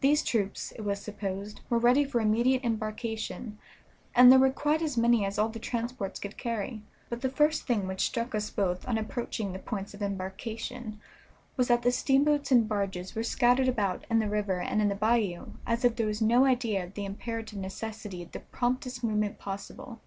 These troops, it was supposed, were ready for immediate embarkation, and there were quite as many as all the transports could carry, but the first thing which struck us both on approaching the points of embarkation was that the steamboats and barges were scattered about in the river and in the bayou as if there was no idea of the imperative necessity of the promptest movement possible.